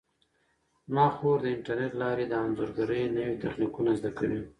زما خور د انټرنیټ له لارې د انځورګرۍ نوي تخنیکونه زده کوي.